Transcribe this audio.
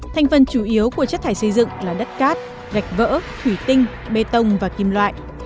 thành phần chủ yếu của chất thải xây dựng là đất cát gạch vỡ thủy tinh bê tông và kim loại